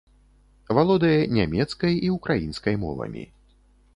Валодае нямецкай і ўкраінскай мовамі.